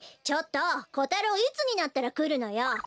ちょっとコタロウいつになったらくるのよ！